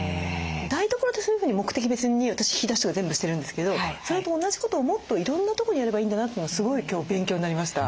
台所ってそういうふうに目的別に私引き出しとか全部してるんですけどそれと同じことをもっといろんなとこにやればいいんだなってすごい今日勉強になりました。